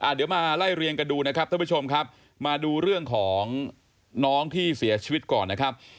เดี๋ยวมาไล่เรียงกันดูนะครับท่านผู้ชมครับมาดูเรื่องของน้องที่เสียชีวิตก่อนนะครับ